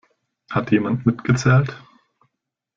Hat jemand mitgezählt?